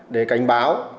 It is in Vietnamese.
để cảnh báo